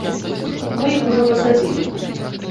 Мы іх ужо пасадзілі.